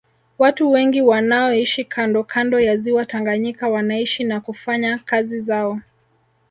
Watu wengi wanaoishi kando kando ya Ziwa Tanganyika wanaishi na kufanya kazi zao